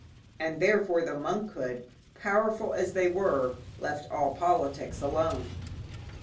And therefore the monkhood, powerful as they were, left all politics alone.